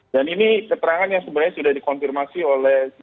dan ini keterangan yang sebenarnya sudah dikonfirmasi oleh